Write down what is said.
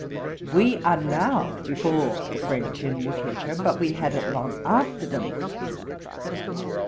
We are now before the French in literature; but we had it long after them.